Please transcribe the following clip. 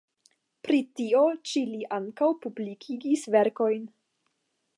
Pri tio ĉi li ankaŭ publikigis verkojn.